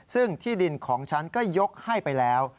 ซึ่งที่ดินของฉันก็ยกให้ไปแล้ว